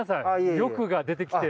欲が出てきて。